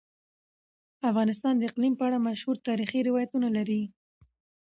افغانستان د اقلیم په اړه مشهور تاریخی روایتونه لري.